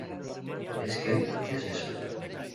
¿ Es qué? ¿ qué es eso ?